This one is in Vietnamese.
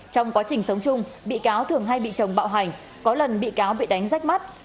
trong quá trình sống chung bị cáo thường hay bị chồng bạo hành có lần bị cáo bị đánh rách mắt